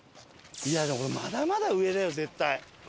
いやでもこれまだまだ上だよ絶対。